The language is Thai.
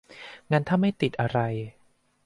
งั้นถ้าไม่ติดอะไร